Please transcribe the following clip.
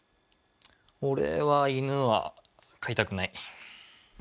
俺は犬は飼いたくない。